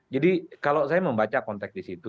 jadi kalau saya membaca konteks di situ